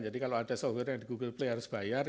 jadi kalau ada software yang di google play harus bayar